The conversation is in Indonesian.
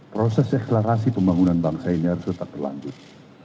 proses deklarasi pembangunan bangsa ini harus tetap berlanjut